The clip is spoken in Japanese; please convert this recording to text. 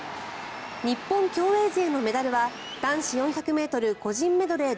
日本競泳勢のメダルは男子４００ｍ個人メドレー